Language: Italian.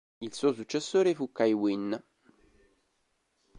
Il suo successore fu Kai Winn.